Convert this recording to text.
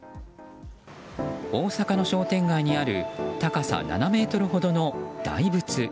大阪の商店街にある高さ７ｍほどの大仏。